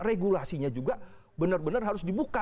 regulasinya juga benar benar harus dibuka